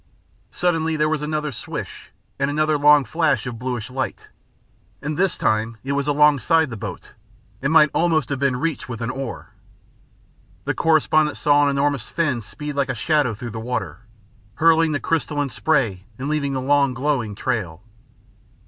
Suddenly there was another swish and another long flash of bluish light, and this time it was alongside the boat, and might almost have been reached with an oar. The correspondent saw an enormous fin speed like a shadow through the water, hurling the crystalline spray and leaving the long glowing trail.